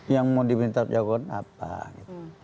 yang mau diminta pertanggung jawaban apa